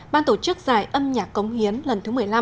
ban tổ chức giải âm nhạc cống hiến lần thứ một mươi năm